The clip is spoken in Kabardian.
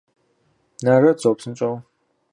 Нажэт, зо, псынщӏэу…